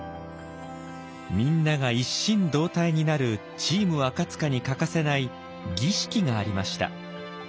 みんなが一心同体になるチーム赤に欠かせない儀式がありました。